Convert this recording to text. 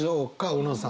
小野さん。